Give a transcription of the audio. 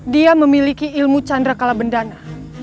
dia memiliki ilmu chandra kalabendana